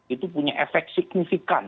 itu punya efek signifikan